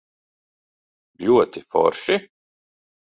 Ļoti forši?